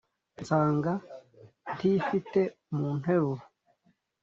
nsanga ntifite mu nteruro,